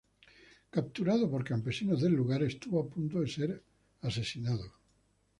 Capturado por campesinos del lugar, estuvo a punto de ser asesinado.